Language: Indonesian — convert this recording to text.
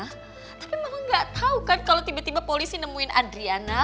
tapi emang gak tau kan kalau tiba tiba polisi nemuin adriana